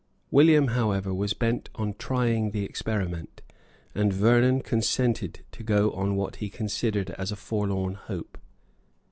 William, however, was bent on trying the experiment; and Vernon consented to go on what he considered as a forlorn hope.